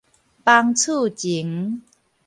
房厝前